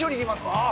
ああ。